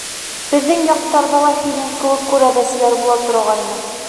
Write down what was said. Беҙҙең яҡтарҙа ла һинең кеүек күрәҙәселәр була торғайны.